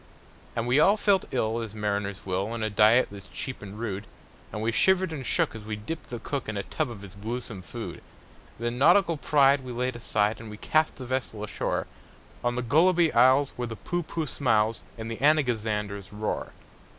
And we all felt ill as mariners will, On a diet that's cheap and rude; And we shivered and shook as we dipped the cook In a tub of his gluesome food. Then nautical pride we laid aside, And we cast the vessel ashore On the Gulliby Isles, where the Poohpooh smiles, And the Anagazanders roar.